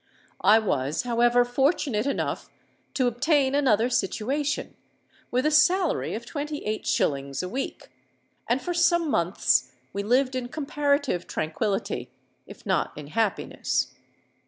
I was, however, fortunate enough to obtain another situation, with a salary of twenty eight shillings a week; and for some months we lived in comparative tranquillity—if not in happiness.